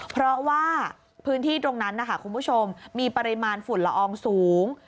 เพราะว่าพื้นที่ตรงนั้นนะคะคุณผู้ชมมีปริมาณฝุ่นละอองสูง